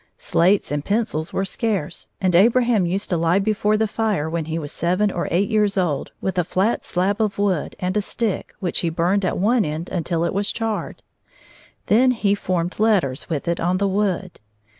Slates and pencils were scarce, and Abraham used to lie before the fire when he was seven or eight years old, with a flat slab of wood and a stick which he burned at one end till it was charred; then he formed letters with it on the wood.